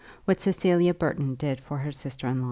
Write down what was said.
WHAT CECILIA BURTON DID FOR HER SISTER IN LAW.